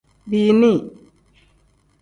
Bini.